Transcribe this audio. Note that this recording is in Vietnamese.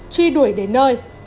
truy đuổi đến nơi